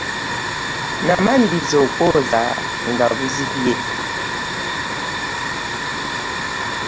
Namalirizza okwoza nga buzibye.